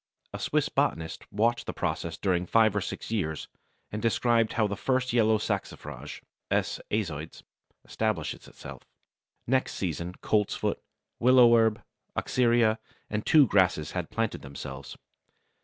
A Swiss botanist watched the process during five or six years, and describes how first the yellow Saxifrage (S. aizoides) establishes itself. Next season Coltsfoot, willow herb, Oxyria, and two grasses had planted themselves.